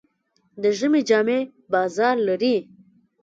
د ژمي جامې بازار لري.